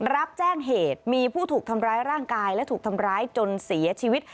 รับแจ้งเหตุมีผู้ถูกทำร้ายร่างกายและถูกทำร้ายจนเสียชีวิต